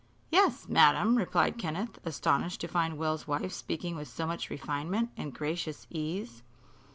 "Yes, madam," replied Kenneth, astonished to find Will's wife speaking with so much refinement and gracious ease.